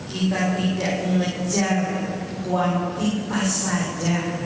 kita tidak mengejar kuantitas saja